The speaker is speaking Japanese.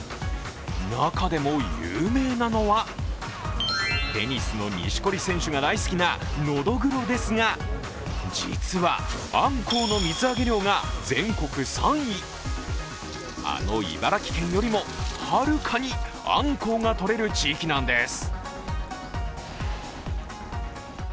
中でも有名なのは、テニスの錦織選手が大好きなノドグロですが、実はアンコウの水揚げ量が全国３位あの茨城県よりもはるかにアンコウがとれる地域なんです。